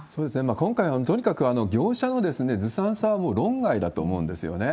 今回はとにかく、業者のずさんさはもう論外だと思うんですよね。